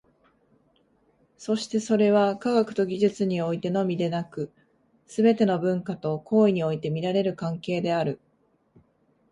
そしてそれは、科学と技術においてのみでなく、すべての文化と行為において見られる関係である。